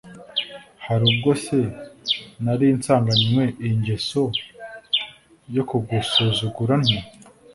hari ubwo se nari nsanganywe iyi ngeso yo kugusuzugura ntya?